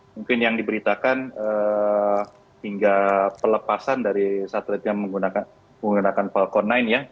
mungkin yang diberitakan hingga pelepasan dari satelit yang menggunakan falcon sembilan ya